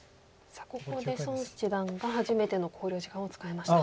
さあここで孫七段が初めての考慮時間を使いました。